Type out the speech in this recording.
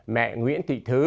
mẹ nguyễn thị thứ